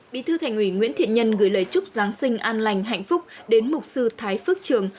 bí thư thành ủy nguyễn thiện nhân gửi lời chúc giáng sinh an lành hạnh phúc đến mục sư thái phước trường